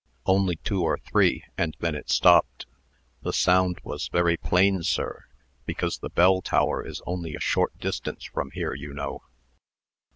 "Only two or three, and then it stopped. The sound was very plain, sir, because the bell tower is only a short distance from here, you know."